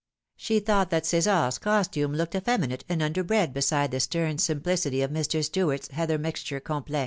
She thought that Cesar's costume looked effeminate and under bred beside the stern simplicity of Mr. Stuart's heather mixture complet.